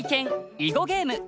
囲碁ゲーム。